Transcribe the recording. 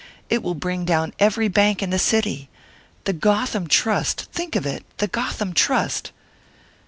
It will bring down every bank in the city! The Gotham Trust! Think of it! the Gotham Trust!"